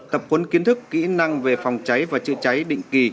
tập huấn kiến thức kỹ năng về phòng cháy và chữa cháy định kỳ